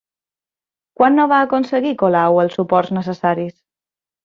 Quan no va aconseguir Colau els suports necessaris?